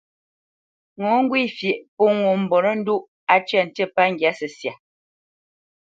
Ŋo ŋgwê fyeʼ pô ŋo mbolə́ndóʼ, á cə̂ ntî pə́ ŋgyǎ səsya.